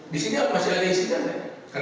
di sini masih ada isinya nggak